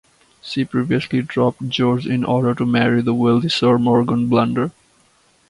She previously dropped George in order to marry the wealthy Sir Morgan Blunder.